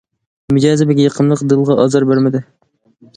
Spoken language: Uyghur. مىجەزى بەك يېقىملىق، دىلغا ئازار بەرمىدى.